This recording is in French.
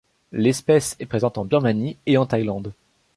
L'espèce est présente en Birmanie et en Thaïlande.